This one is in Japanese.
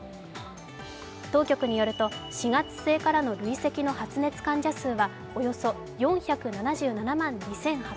当局によると、４月末からの累積の発熱患者数はおよそ４７７万２８００人。